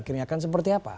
kiranya akan seperti apa